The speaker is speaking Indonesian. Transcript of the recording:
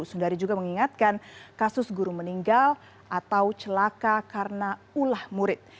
sundari juga mengingatkan kasus guru meninggal atau celaka karena ulah murid